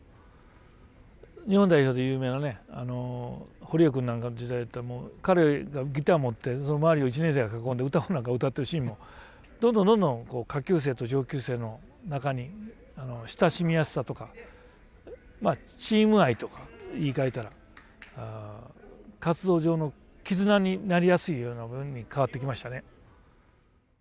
日本代表で有名なね堀江くんなんかの時代ってもう彼がギター持ってその周りを１年生が囲んで歌なんか歌ってるシーンもどんどんどんどん下級生と上級生の中に親しみやすさとかチーム愛とか言いかえたら活動上の絆になりやすいような部分に変わってきましたね。